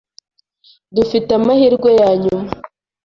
Dufite amahirwe yanyuma.